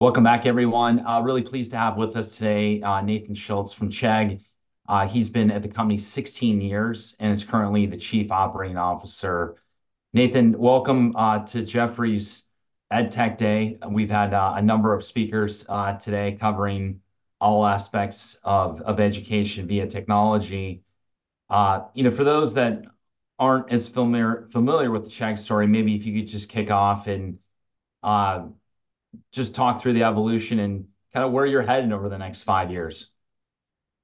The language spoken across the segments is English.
Welcome back, everyone. Really pleased to have with us today Nathan Schultz from Chegg. He's been at the company 16 years and is currently the Chief Operating Officer. Nathan, welcome to Jefferies EdTech Day. We've had a number of speakers today covering all aspects of education via technology. For those that aren't as familiar with the Chegg story, maybe if you could just kick off and just talk through the evolution and kind of where you're headed over the next five years.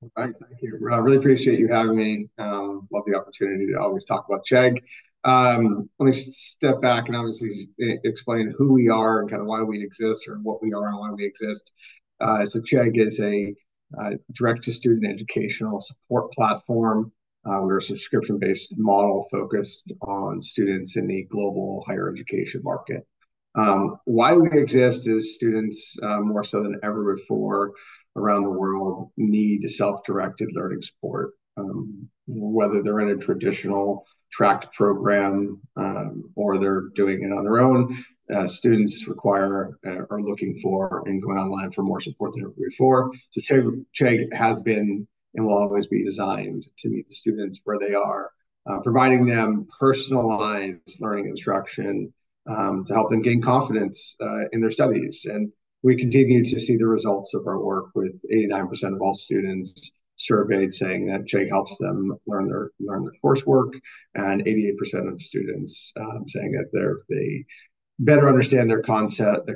All right. Thank you. Really appreciate you having me. Love the opportunity to always talk about Chegg. Let me step back and obviously explain who we are and kind of why we exist or what we are and why we exist. So Chegg is a direct-to-student educational support platform. We're a subscription-based model focused on students in the global higher education market. Why we exist is students more so than ever before around the world need self-directed learning support. Whether they're in a traditional tracked program or they're doing it on their own, students require or are looking for and going online for more support than ever before. So Chegg has been and will always be designed to meet the students where they are, providing them personalized learning instruction to help them gain confidence in their studies. We continue to see the results of our work with 89% of all students surveyed saying that Chegg helps them learn their coursework and 88% of students saying that they better understand the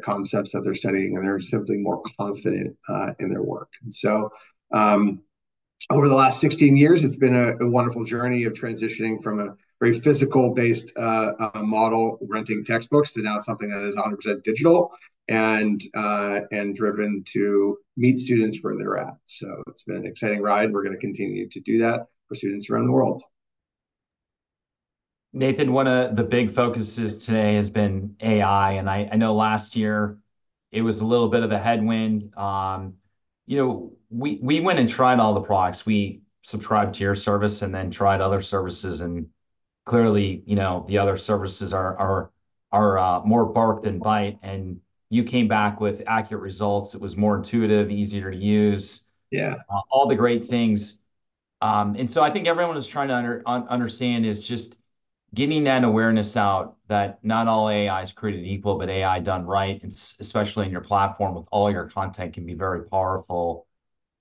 concepts that they're studying and they're simply more confident in their work. Over the last 16 years, it's been a wonderful journey of transitioning from a very physical-based model renting textbooks to now something that is 100% digital and driven to meet students where they're at. It's been an exciting ride. We're going to continue to do that for students around the world. Nathan, one of the big focuses today has been AI. I know last year it was a little bit of a headwind. We went and tried all the products. We subscribed to your service and then tried other services. Clearly, the other services are more bark than bite. You came back with accurate results. It was more intuitive, easier to use, all the great things. So I think everyone is trying to understand is just getting that awareness out that not all AI is created equal, but AI done right, especially in your platform with all your content can be very powerful.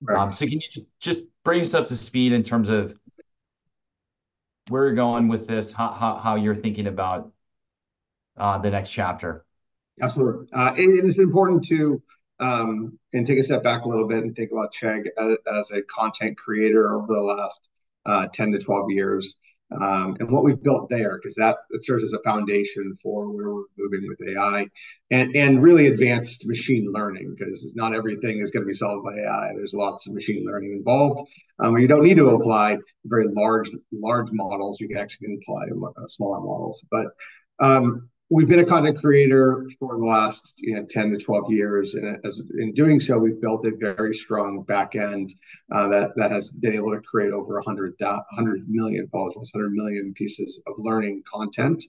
So can you just bring us up to speed in terms of where you're going with this, how you're thinking about the next chapter? Absolutely. It's important to take a step back a little bit and think about Chegg as a content creator over the last 10-12 years and what we've built there because that serves as a foundation for where we're moving with AI and really advanced machine learning because not everything is going to be solved by AI. There's lots of machine learning involved. You don't need to apply very large models. You can actually apply smaller models. But we've been a content creator for the last 10-12 years. And in doing so, we've built a very strong backend that has been able to create over 100 million pieces of learning content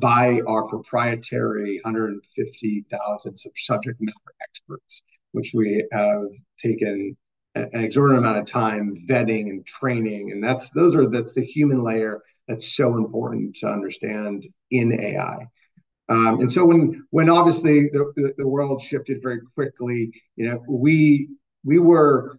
by our proprietary 150,000 subject matter experts, which we have taken an exorbitant amount of time vetting and training. And that's the human layer that's so important to understand in AI. When obviously the world shifted very quickly, we were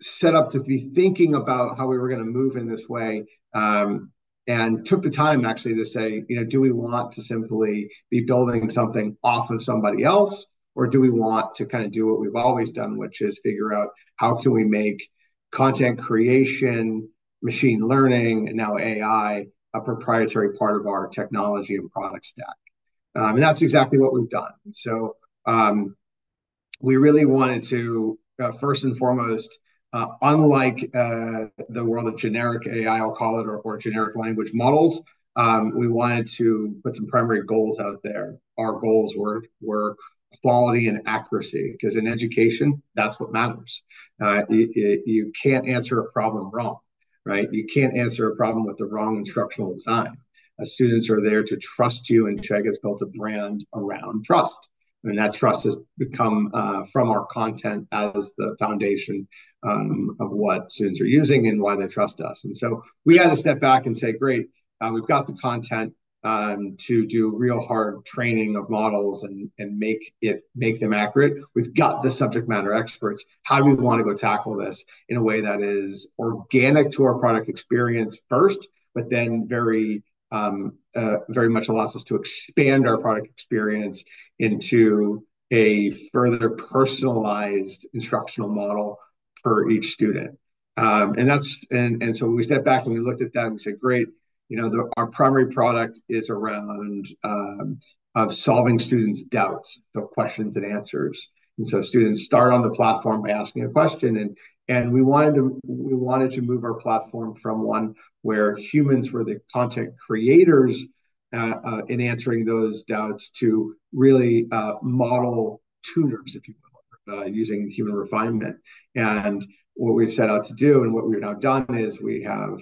set up to be thinking about how we were going to move in this way and took the time, actually, to say, "Do we want to simply be building something off of somebody else, or do we want to kind of do what we've always done, which is figure out how can we make content creation, machine learning, and now AI a proprietary part of our technology and product stack?" That's exactly what we've done. We really wanted to, first and foremost, unlike the world of generic AI, I'll call it, or generic language models, put some primary goals out there. Our goals were quality and accuracy because in education, that's what matters. You can't answer a problem wrong, right? You can't answer a problem with the wrong instructional design. Students are there to trust you. Chegg has built a brand around trust. That trust has become from our content as the foundation of what students are using and why they trust us. We had to step back and say, "Great. We've got the content to do real hard training of models and make them accurate. We've got the subject matter experts. How do we want to go tackle this in a way that is organic to our product experience first, but then very much allows us to expand our product experience into a further personalized instructional model for each student?" When we stepped back and we looked at that, we said, "Great. Our primary product is around solving students' doubts, so questions-and-answers." Students start on the platform by asking a question. We wanted to move our platform from one where humans were the content creators in answering those doubts to really model tuners, if you will, using human refinement. What we've set out to do and what we've now done is we have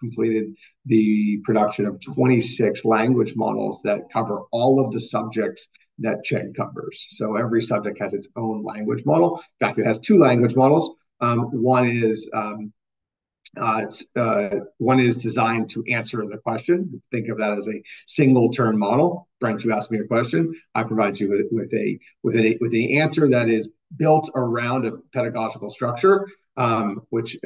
completed the production of 26 language models that cover all of the subjects that Chegg covers. Every subject has its own language model. In fact, it has two language models. One is designed to answer the question. Think of that as a single-turn model. Brent, you asked me a question. I provide you with an answer that is built around a pedagogical structure, which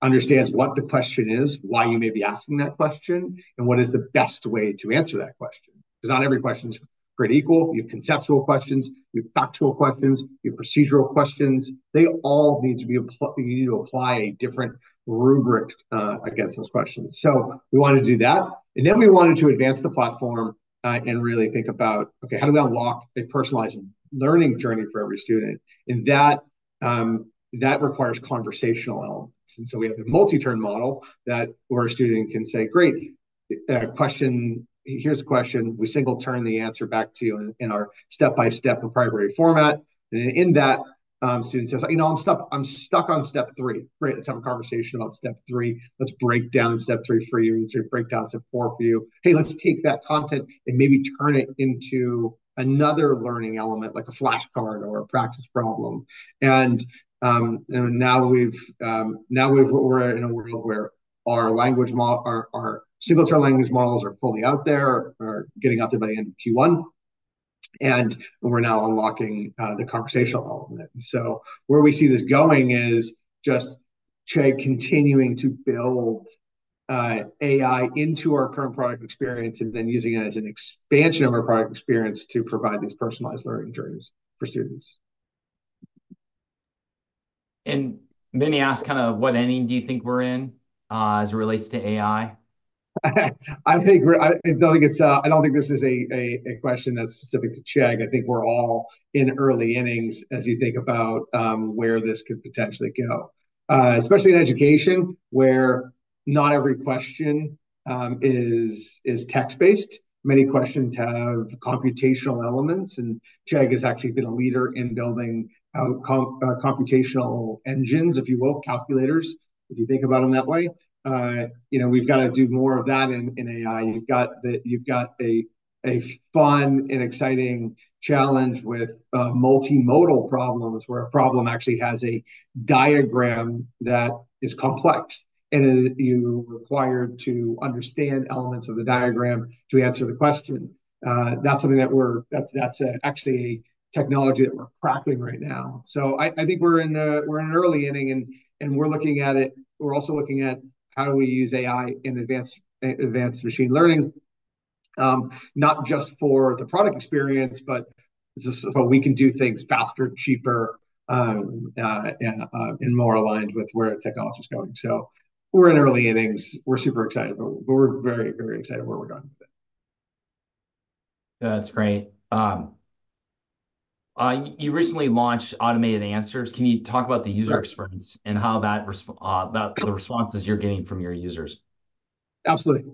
understands what the question is, why you may be asking that question, and what is the best way to answer that question. Because not every question is created equal. You have conceptual questions. You have factual questions. You have procedural questions. They all need to be. You need to apply a different rubric against those questions. So we wanted to do that. And then we wanted to advance the platform and really think about, "Okay, how do we unlock a personalized learning journey for every student?" And that requires conversational elements. And so we have a multi-turn model where a student can say, "Great. Here's the question." We single-turn the answer back to you in our step-by-step proprietary format. And in that, a student says, "I'm stuck on step three. Great. Let's have a conversation about step three. Let's break down step three for you. Let's break down step four for you. Hey, let's take that content and maybe turn it into another learning element, like a flashcard or a practice problem." Now we're in a world where our single-turn language models are fully out there, are getting out there by the end of Q1. We're now unlocking the conversational element. Where we see this going is just Chegg continuing to build AI into our current product experience and then using it as an expansion of our product experience to provide these personalized learning journeys for students. Many ask kind of what inning do you think we're in as it relates to AI? I don't think this is a question that's specific to Chegg. I think we're all in early innings as you think about where this could potentially go, especially in education where not every question is text-based. Many questions have computational elements. Chegg has actually been a leader in building out computational engines, if you will, calculators, if you think about them that way. We've got to do more of that in AI. You've got a fun and exciting challenge with multimodal problems where a problem actually has a diagram that is complex. You're required to understand elements of the diagram to answer the question. That's something that we're actually cracking right now. So I think we're in an early inning. We're looking at it. We're also looking at how do we use AI in advanced machine learning, not just for the product experience, but so we can do things faster, cheaper, and more aligned with where technology is going. We're in early innings. We're super excited, but we're very, very excited where we're going with it. That's great. You recently launched automated answers. Can you talk about the user experience and how the responses you're getting from your users? Absolutely.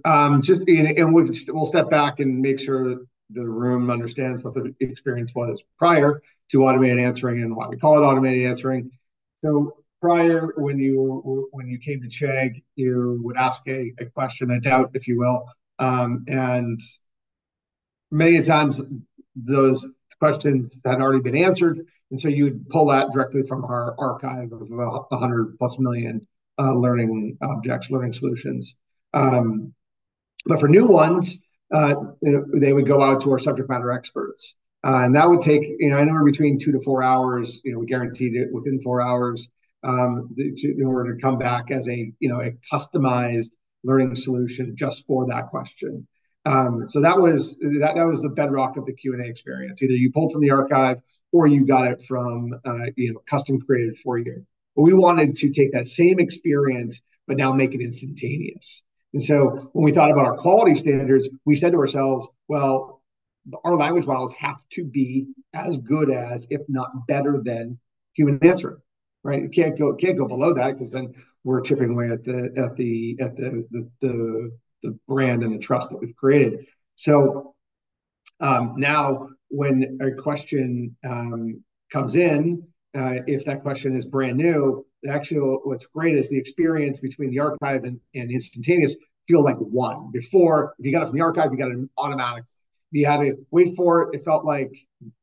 We'll step back and make sure the room understands what the experience was prior to automated answering and why we call it automated answering. Prior, when you came to Chegg, you would ask a question, a doubt, if you will. Many of the times, those questions had already been answered. So you would pull that directly from our archive of 100+ million learning objects, learning solutions. But for new ones, they would go out to our subject matter experts. And that would take, I know, between 2-4 hours. We guaranteed it within 4 hours in order to come back as a customized learning solution just for that question. That was the bedrock of the Q&A experience. Either you pulled from the archive, or you got it from custom-created for you. But we wanted to take that same experience, but now make it instantaneous. And so when we thought about our quality standards, we said to ourselves, "Well, our language models have to be as good as, if not better than human answering," right? You can't go below that because then we're chipping away at the brand and the trust that we've created. So now when a question comes in, if that question is brand new, actually, what's great is the experience between the archive and instantaneous feel like one. Before, if you got it from the archive, you got it automatically. If you had to wait for it, it felt like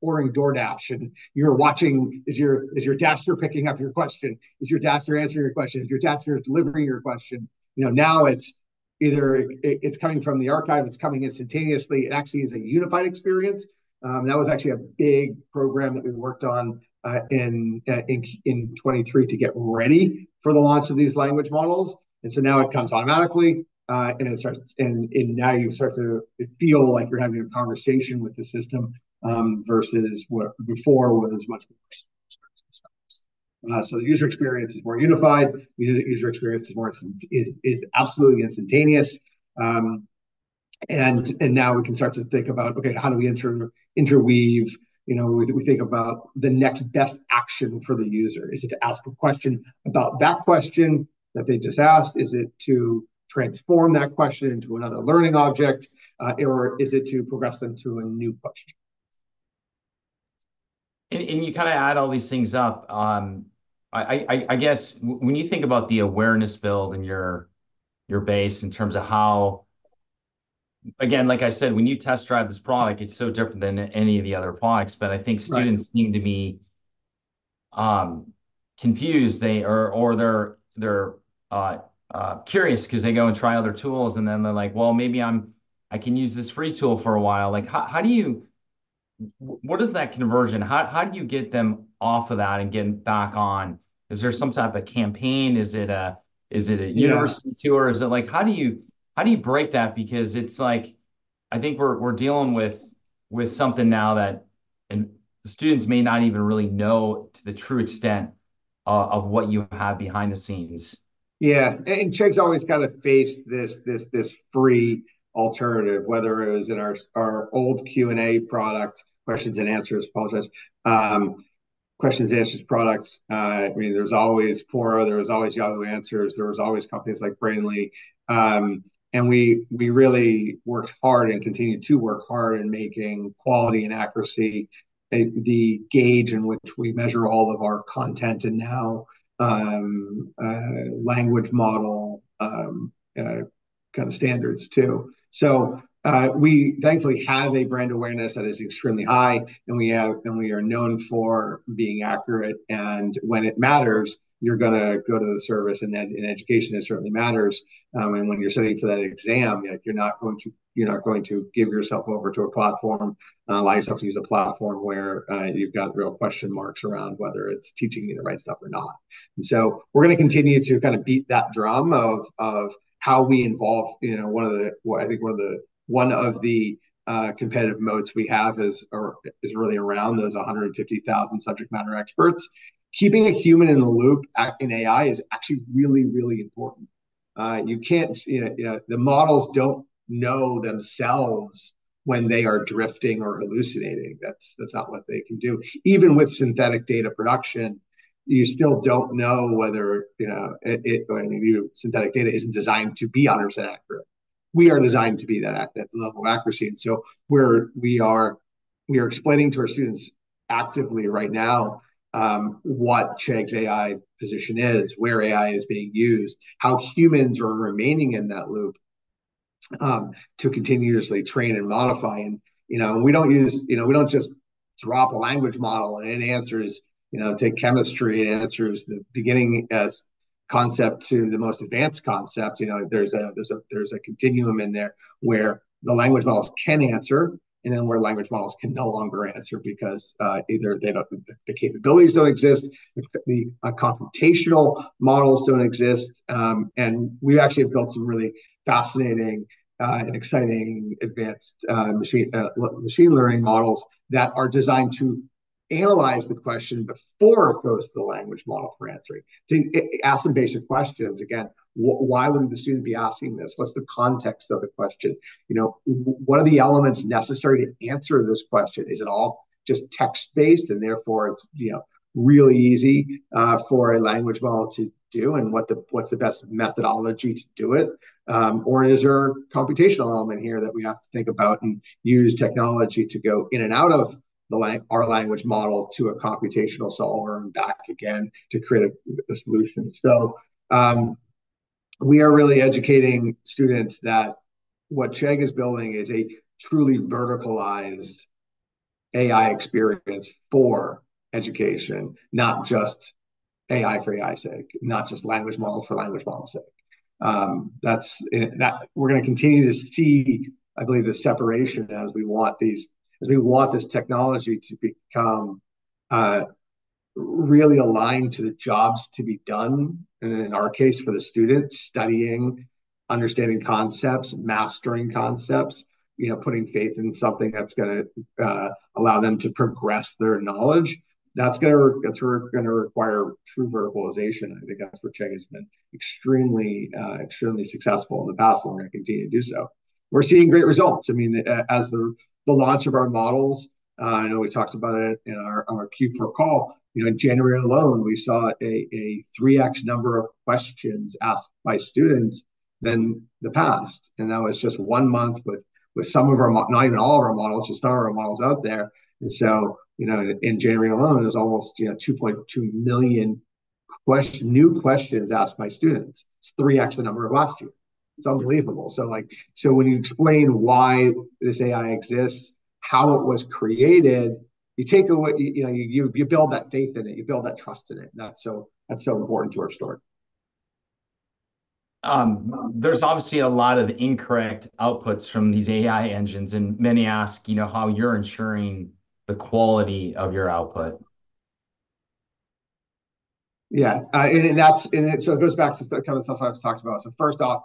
ordering DoorDash. And you were watching, is your Dasher picking up your question? Is your Dasher answering your question? Is your Dasher delivering your question? Now it's either it's coming from the archive. It's coming instantaneously. It actually is a unified experience. That was actually a big program that we worked on in 2023 to get ready for the launch of these language models. And so now it comes automatically. And now you start to feel like you're having a conversation with the system versus what before was much more close. So the user experience is more unified. The user experience is absolutely instantaneous. And now we can start to think about, "Okay, how do we interweave?" We think about the next best action for the user. Is it to ask a question about that question that they just asked? Is it to transform that question into another learning object? Or is it to progress them to a new question? And you kind of add all these things up. I guess when you think about the awareness build in your base in terms of how, again, like I said, when you test drive this product, it's so different than any of the other products. But I think students seem to be confused or they're curious because they go and try other tools. And then they're like, "Well, maybe I can use this free tool for a while." What does that conversion, how do you get them off of that and get back on? Is there some type of campaign? Is it a university tour? How do you break that? Because it's like, I think we're dealing with something now that students may not even really know to the true extent of what you have behind the scenes. Yeah. Chegg's always kind of faced this free alternative, whether it was in our old Q&A product - questions-and-answers, apologies - questions-and-answers products. I mean, there was always Quora. There was always Yahoo Answers. There was always companies like Brainly. We really worked hard and continue to work hard in making quality and accuracy the gauge in which we measure all of our content and now language model kind of standards too. So we thankfully have a brand awareness that is extremely high. We are known for being accurate. When it matters, you're going to go to the service. Education certainly matters. And when you're studying for that exam, you're not going to give yourself over to a platform allow yourself to use a platform where you've got real question marks around whether it's teaching you the right stuff or not. And so we're going to continue to kind of beat that drum of how we involve one of the competitive moats we have is really around those 150,000 subject matter experts. Keeping a human in the loop in AI is actually really, really important. You can't. The models don't know themselves when they are drifting or hallucinating. That's not what they can do. Even with synthetic data production, you still don't know whether synthetic data isn't designed to be honest and accurate. We are designed to be that level of accuracy. And so we are explaining to our students actively right now what Chegg's AI position is, where AI is being used, how humans are remaining in that loop to continuously train and modify. And we don't just drop a language model and it answers, take chemistry and answers the beginning concept to the most advanced concept. There's a continuum in there where the language models can answer and then where language models can no longer answer because either the capabilities don't exist, the computational models don't exist. And we actually have built some really fascinating and exciting advanced machine learning models that are designed to analyze the question before it goes to the language model for answering, to ask some basic questions. Again, why would the student be asking this? What's the context of the question? What are the elements necessary to answer this question? Is it all just text-based and therefore it's really easy for a language model to do? And what's the best methodology to do it? Or is there a computational element here that we have to think about and use technology to go in and out of our language model to a computational solver and back again to create a solution? So we are really educating students that what Chegg is building is a truly verticalized AI experience for education, not just AI for AI's sake, not just language model for language model's sake. We're going to continue to see, I believe, the separation as we want these as we want this technology to become really aligned to the jobs to be done, and in our case, for the students studying, understanding concepts, mastering concepts, putting faith in something that's going to allow them to progress their knowledge. That's going to require true verticalization. I think that's where Chegg has been extremely successful in the past, and we're going to continue to do so. We're seeing great results. I mean, as the launch of our models, I know we talked about it in our Q4 call. In January alone, we saw a 3x number of questions asked by students than the past. And that was just one month with some of our not even all of our models, just some of our models out there. And so in January alone, it was almost 2.2 million new questions asked by students. It's 3x the number of last year. It's unbelievable. So when you explain why this AI exists, how it was created, you take away you build that faith in it. You build that trust in it. And that's so important to our story. There's obviously a lot of incorrect outputs from these AI engines. Many ask how you're ensuring the quality of your output. Yeah. And so it goes back to kind of stuff I've talked about. So first off,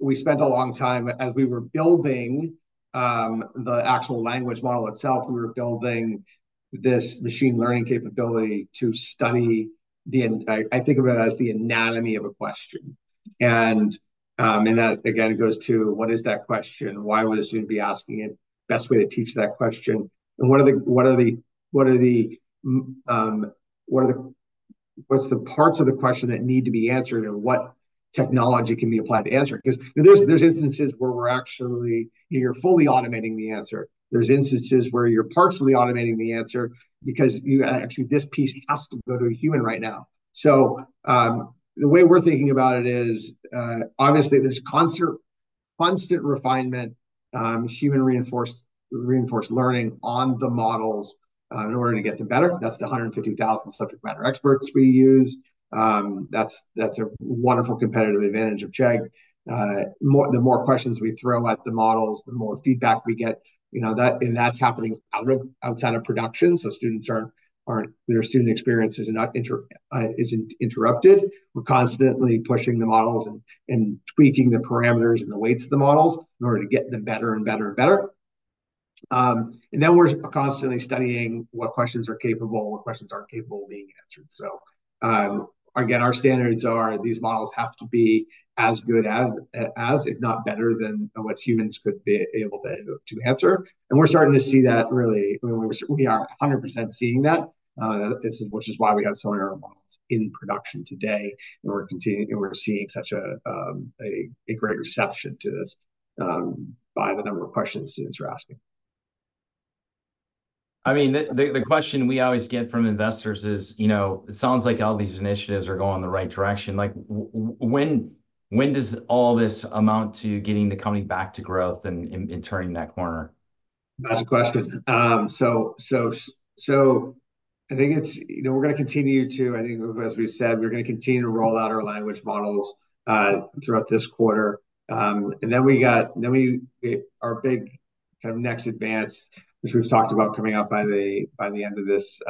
we spent a long time as we were building the actual language model itself; we were building this machine learning capability to study the. I think of it as the anatomy of a question. And that, again, goes to what is that question? Why would a student be asking it? Best way to teach that question? And what are the what are the what are the what's the parts of the question that need to be answered and what technology can be applied to answer it? Because there's instances where we're actually you're fully automating the answer. There's instances where you're partially automating the answer because actually, this piece has to go to a human right now. So the way we're thinking about it is, obviously, there's constant refinement, human-reinforced learning on the models in order to get them better. That's the 150,000 subject matter experts we use. That's a wonderful competitive advantage of Chegg. The more questions we throw at the models, the more feedback we get. And that's happening outside of production. So their student experience isn't interrupted. We're constantly pushing the models and tweaking the parameters and the weights of the models in order to get them better and better and better. And then we're constantly studying what questions are capable, what questions aren't capable of being answered. So again, our standards are these models have to be as good as, if not better, than what humans could be able to answer. And we're starting to see that really. I mean, we are 100% seeing that, which is why we have some of our models in production today. And we're seeing such a great reception to this by the number of questions students are asking. I mean, the question we always get from investors is, "It sounds like all these initiatives are going the right direction. When does all this amount to getting the company back to growth and turning that corner? That's a question. So I think we're going to continue to, I think, as we've said, we're going to continue to roll out our language models throughout this quarter. And then we got our big kind of next advance, which we've talked about coming up by the end of this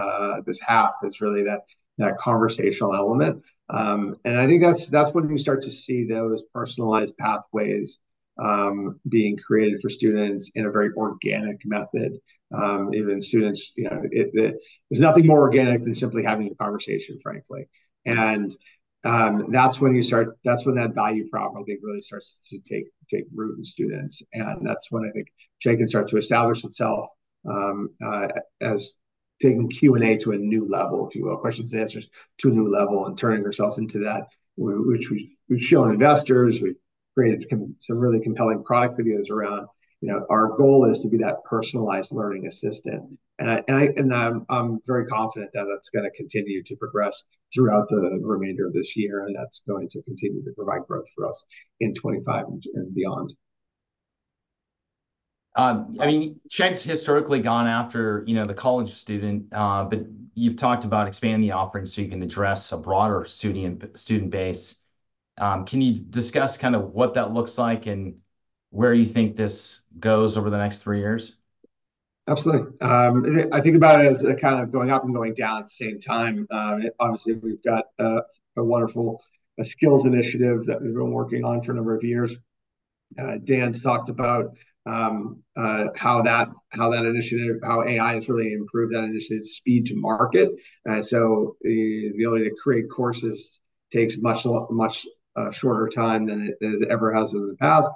half, is really that conversational element. And I think that's when you start to see those personalized pathways being created for students in a very organic method. Even students, there's nothing more organic than simply having a conversation, frankly. And that's when that value prop, I think, really starts to take root in students. And that's when I think Chegg can start to establish itself as taking Q&A to a new level, if you will, questions-and-answers to a new level and turning ourselves into that, which we've shown investors. We've created some really compelling product videos around. Our goal is to be that personalized learning assistant. I'm very confident that that's going to continue to progress throughout the remainder of this year. That's going to continue to provide growth for us in 2025 and beyond. I mean, Chegg's historically gone after the college student. But you've talked about expanding the offering so you can address a broader student base. Can you discuss kind of what that looks like and where you think this goes over the next three years? Absolutely. I think about it as kind of going up and going down at the same time. Obviously, we've got a wonderful skills initiative that we've been working on for a number of years. Dan's talked about how AI has really improved that initiative's speed to market. So the ability to create courses takes much, much shorter time than it ever has in the past.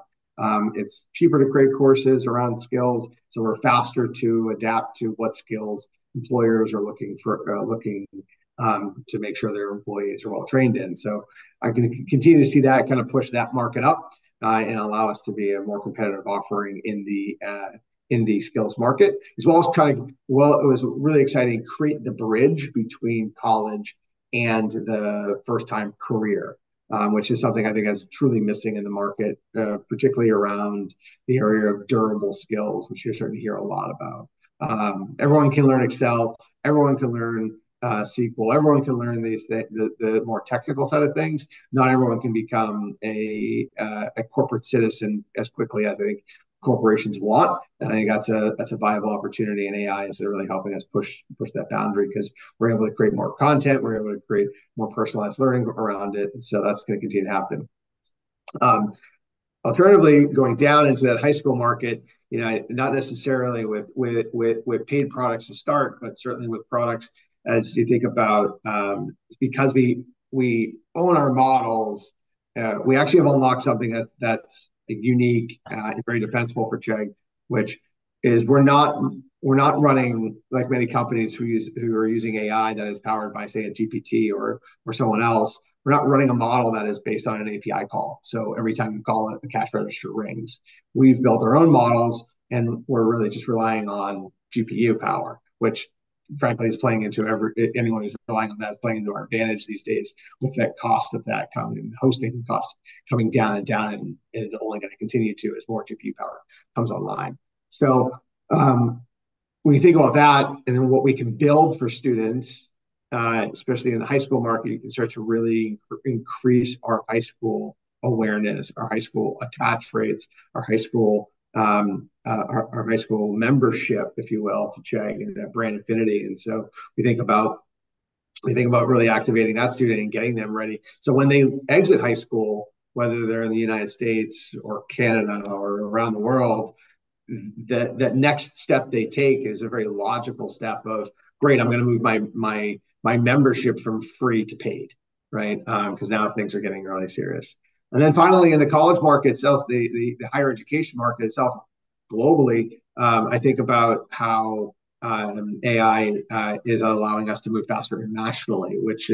It's cheaper to create courses around skills. So we're faster to adapt to what skills employers are looking for to make sure their employees are well trained in. So I can continue to see that kind of push that market up and allow us to be a more competitive offering in the skills market as well as kind of well, it was really exciting to create the bridge between college and the first-time career, which is something I think is truly missing in the market, particularly around the area of durable skills, which you're starting to hear a lot about. Everyone can learn Excel. Everyone can learn SQL. Everyone can learn the more technical side of things. Not everyone can become a corporate citizen as quickly as I think corporations want. And I think that's a viable opportunity. And AI is really helping us push that boundary because we're able to create more content. We're able to create more personalized learning around it. And so that's going to continue to happen. Alternatively, going down into that high school market, not necessarily with paid products to start, but certainly with products, as you think about because we own our models, we actually have unlocked something that's unique and very defensible for Chegg, which is we're not running like many companies who are using AI that is powered by, say, a GPT or someone else. We're not running a model that is based on an API call. So every time you call it, the cash register rings. We've built our own models. And we're really just relying on GPU power, which, frankly, is playing into every anyone who's relying on that is playing into our advantage these days with the cost of that coming hosting cost coming down and down. And it's only going to continue to as more GPU power comes online. So when you think about that and then what we can build for students, especially in the high school market, you can start to really increase our high school awareness, our high school attach rates, our high school membership, if you will, to Chegg, that brand affinity. And so we think about really activating that student and getting them ready. So when they exit high school, whether they're in the United States or Canada or around the world, that next step they take is a very logical step of, "Great. I'm going to move my membership from free to paid," right, because now things are getting really serious. And then finally, in the college market itself, the higher education market itself globally, I think about how AI is allowing us to move faster nationally, which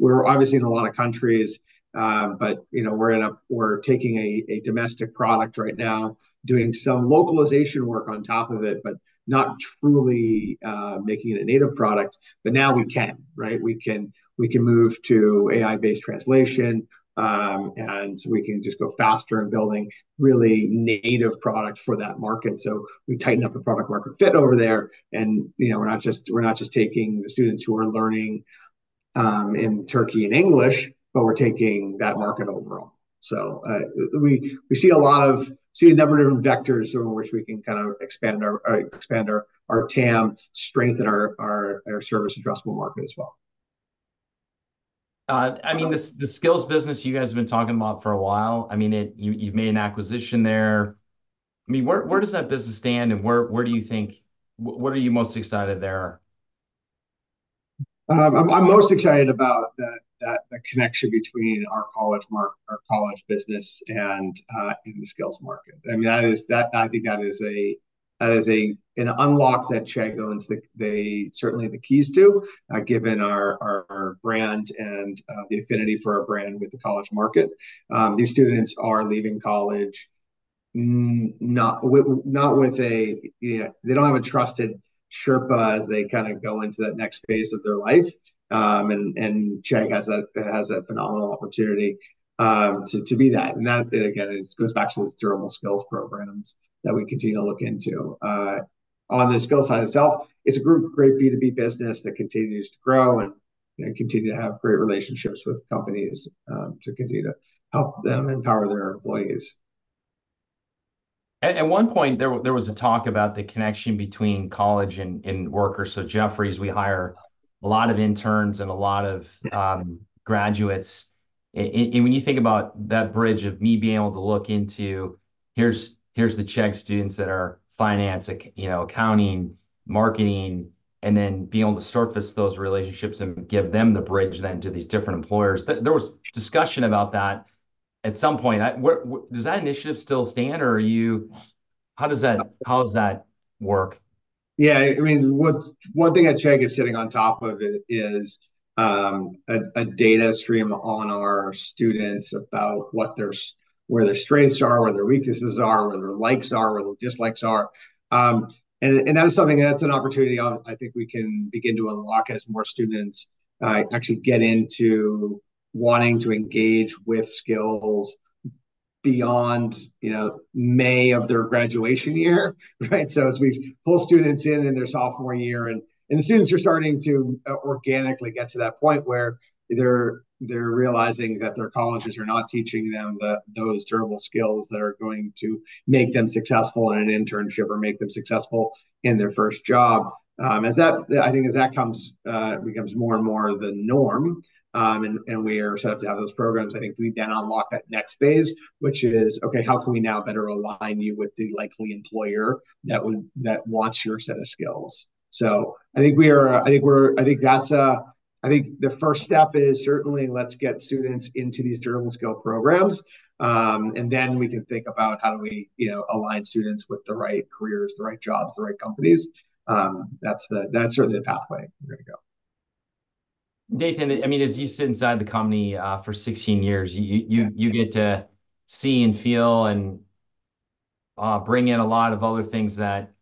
we're obviously in a lot of countries. But we're taking a domestic product right now, doing some localization work on top of it, but not truly making it a native product. But now we can, right? We can move to AI-based translation. And we can just go faster in building really native products for that market. So we tighten up the product-market fit over there. And we're not just taking the students who are learning in Turkey and English, but we're taking that market overall. So we see a number of different vectors through which we can kind of expand our TAM, strengthen our service addressable market as well. I mean, the skills business you guys have been talking about for a while. I mean, you've made an acquisition there. I mean, where does that business stand? And where do you think, what are you most excited there? I'm most excited about the connection between our college business and the skills market. I mean, I think that is an unlock that Chegg owns, certainly, the keys to, given our brand and the affinity for our brand with the college market. These students are leaving college not with a. They don't have a trusted Sherpa. They kind of go into that next phase of their life. And Chegg has that phenomenal opportunity to be that. And that, again, goes back to the durable skills programs that we continue to look into. On the skill side itself, it's a great B2B business that continues to grow and continue to have great relationships with companies to continue to help them empower their employees. At one point, there was a talk about the connection between college and workers. Jefferies, we hire a lot of interns and a lot of graduates. When you think about that bridge of me being able to look into, "Here's the Chegg students that are finance, accounting, marketing," and then being able to surface those relationships and give them the bridge then to these different employers, there was discussion about that at some point. Does that initiative still stand? Or how does that work? Yeah. I mean, one thing at Chegg is sitting on top of it is a data stream on our students about where their strengths are, where their weaknesses are, where their likes are, where their dislikes are. And that is something that's an opportunity I think we can begin to unlock as more students actually get into wanting to engage with skills beyond May of their graduation year, right? So as we pull students in in their sophomore year and the students are starting to organically get to that point where they're realizing that their colleges are not teaching them those durable skills that are going to make them successful in an internship or make them successful in their first job, I think as that becomes more and more the norm and we are set up to have those programs, I think we then unlock that next phase, which is, "Okay, how can we now better align you with the likely employer that wants your set of skills?" So I think that's the first step, certainly, let's get students into these durable skill programs. And then we can think about how do we align students with the right careers, the right jobs, the right companies. That's certainly the pathway we're going to go. Nathan, I mean, as you sit inside the company for 16 years, you get to see and feel and bring in a lot of other things that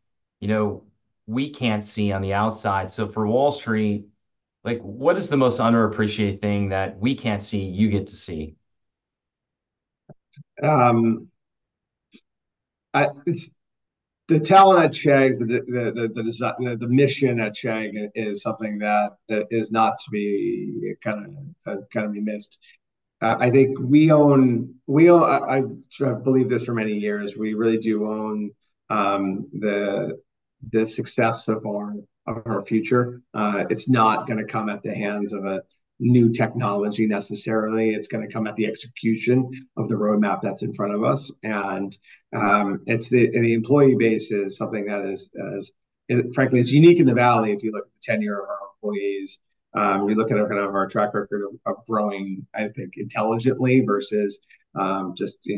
we can't see on the outside. So for Wall Street, what is the most underappreciated thing that we can't see you get to see? The talent at Chegg, the mission at Chegg is something that is not to be kind of be missed. I think we own. I believe this for many years. We really do own the success of our future. It's not going to come at the hands of a new technology necessarily. It's going to come at the execution of the roadmap that's in front of us. And the employee base is something that is, frankly, unique in the Valley if you look at the tenure of our employees. You look at kind of our track record of growing, I think, intelligently versus just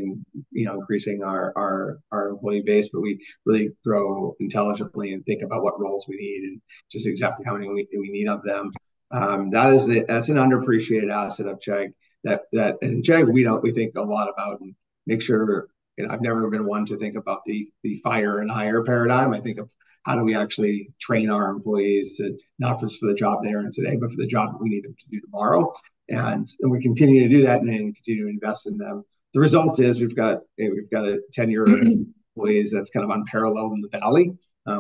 increasing our employee base. But we really grow intelligently and think about what roles we need and just exactly how many we need of them. That's an underappreciated asset of Chegg that, in Chegg, we think a lot about and make sure. I've never been one to think about the fire and hire paradigm. I think of how do we actually train our employees to not just for the job they're in today, but for the job that we need them to do tomorrow. And we continue to do that and then continue to invest in them. The result is we've got a tenured employees that's kind of unparalleled in the Valley,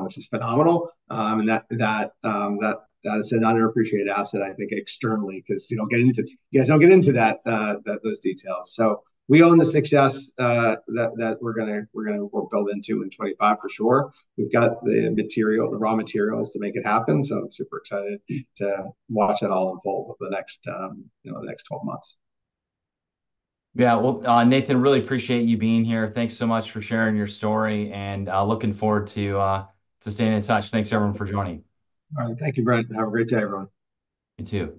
which is phenomenal. And that is an underappreciated asset, I think, externally because getting into you guys don't get into those details. So we own the success that we're going to build into in 2025 for sure. We've got the material, the raw materials to make it happen. So I'm super excited to watch that all unfold over the next 12 months. Yeah. Well, Nathan, really appreciate you being here. Thanks so much for sharing your story. Looking forward to staying in touch. Thanks, everyone, for joining. All right. Thank you, Brent. Have a great day, everyone. You too.